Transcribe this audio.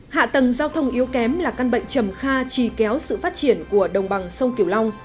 hạ tầng giao thông yếu kém là căn bệnh trầm kha trì kéo sự phát triển của đồng bằng sông kiều long